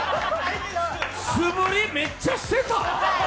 素振りめっちゃしてた？